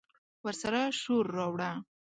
ورسره شور، راوړه